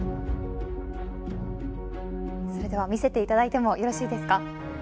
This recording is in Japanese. それでは、見せていただいてもよろしいですか？